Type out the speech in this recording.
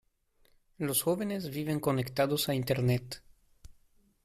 Los jóvenes viven conectados a Internet.